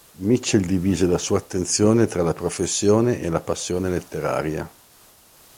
Mitchell divise la sua attenzione tra la professione e la passione letteraria.